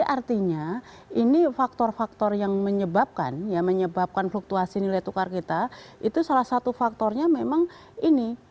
artinya ini faktor faktor yang menyebabkan ya menyebabkan fluktuasi nilai tukar kita itu salah satu faktornya memang ini